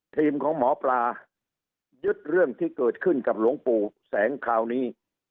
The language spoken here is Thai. ทีมของหมอปลายึดเรื่องที่เกิดขึ้นกับหลวงปู่แสงคราวนี้